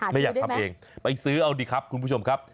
ไม่อยากทำเองไปซื้อเอาดีครับคุณผู้ชมครับ